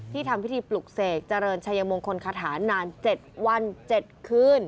ทำพิธีปลุกเสกเจริญชัยมงคลคาถานาน๗วัน๗คืน